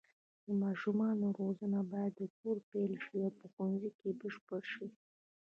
د ماشومانو روزنه باید له کوره پیل شي او په ښوونځي کې بشپړه شي.